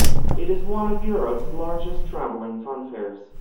It is one of Europe's largest travelling funfairs.